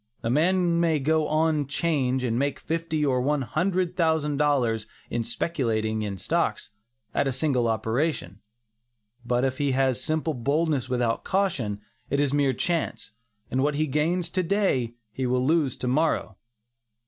A man may go on "'change" and make fifty or one hundred thousand dollars in speculating in stocks, at a single operation. But if he has simple boldness without caution, it is mere chance, and what he gains to day he will lose to morrow.